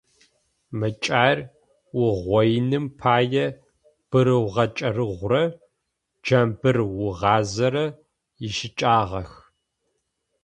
Мэкӏаир уугъоиным пае бырыугъэчэрэгъурэ джамбырыугъазэрэ ищыкӏагъэх.